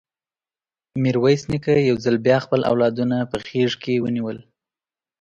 ميرويس نيکه يو ځل بيا خپل اولادونه په غېږ کې ونيول.